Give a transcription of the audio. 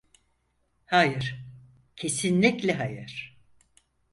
Hayır, kesinlikle hayır.